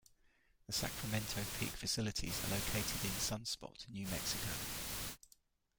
The Sacramento Peak facilities are located in Sunspot, New Mexico.